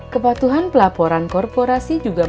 kepatuhan pelaporan korporasi juga